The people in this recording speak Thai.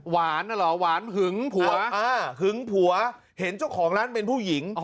หวานอ่ะหรอหึงผัวเห็นเจ้าของร้านเป็นผู้หญิง